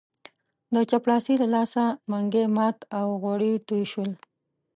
د چپړاسي له لاسه منګی مات او غوړي توی شول.